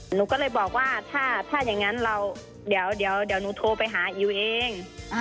หนูก็เลยบอกว่าถ้าอย่างนั้นเราเดี๋ยวหนูโทรไปหาอิ๋วเอง